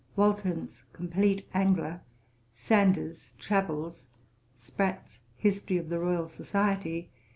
Walton's Complete Angler. Sandys's Travels. Sprat's History of the Royal Society.